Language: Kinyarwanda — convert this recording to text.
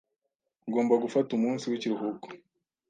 Ugomba gufata umunsi w'ikiruhuko.